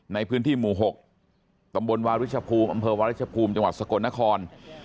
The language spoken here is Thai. ในพื้นที่หมู่๖ตำบลวาริชภูมิอำเภอวารัชภูมิจังหวัดสกลนคร